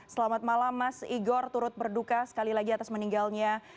selamat malam mas igor turut berduka sekali lagi atas meninggalnya